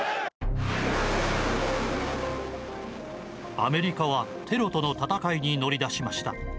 アメリカは、テロとの戦いに乗りだしました。